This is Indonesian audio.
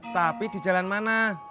tapi di jalan mana